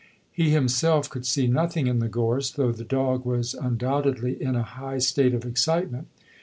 He himself could see nothing in the gorse, though the dog was undoubtedly in a high state of excitement.